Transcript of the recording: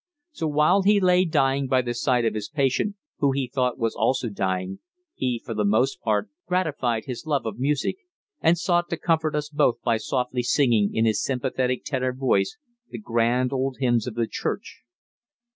So while he lay dying by the side of his patient who he thought was also dying, he, for the most part, gratified his love of music and sought to comfort us both by softly singing in his sympathetic tenor voice the grand old hymns of the church.